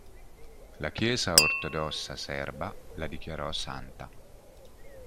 La Chiesa ortodossa serba la dichiarò santa.